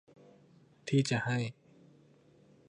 ที่จะให้